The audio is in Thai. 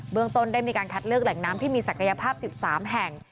เมืองต้นได้มีการคัดเลือกแหล่งน้ำที่มีศักยภาพ๑๓แห่ง